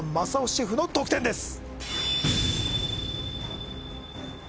シェフの得点です